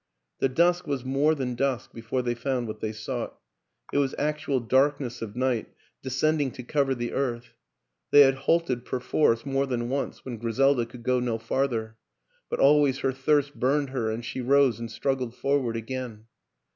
The dusk was more than dusk before they found what they sought; it was actual darkness 154 WILLIAM AN ENGLISHMAN of night descending to cover the earth. They had halted perforce more than once when Griselda could go no farther ; but always her thirst burned her, and she rose and struggled forward again.